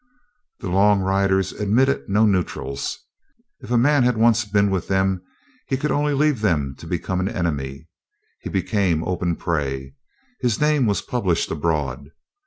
The "long riders" admitted no neutrals. If a man had once been with them he could only leave them to become an enemy. He became open prey. His name was published abroad.